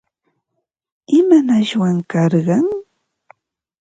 ¿Imanashwan karqan?